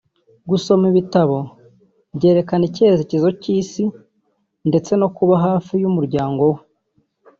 gusoma ibitabo byerekana icyerekezo cy’isi ndetse no kuba hafi y’umuryango we